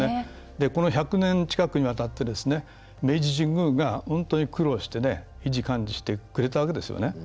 この１００年近くにわたり明治神宮が本当に苦労して維持管理してくれたわけですね。